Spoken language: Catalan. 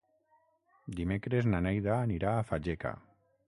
Dimecres na Neida anirà a Fageca.